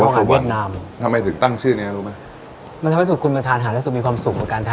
สวัสดีครับคุณน็อตครับสวัสดีครับ